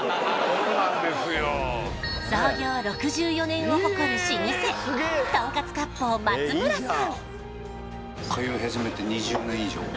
創業６４年を誇る老舗とんかつ割烹松村さん